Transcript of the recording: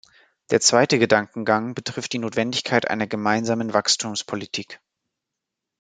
Der zweite Gedankengang betrifft die Notwendigkeit einer gemeinsamen Wachstumspolitik.